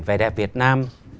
về đẹp việt nam